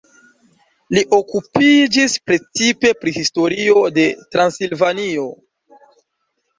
Li okupiĝis precipe pri historio de Transilvanio.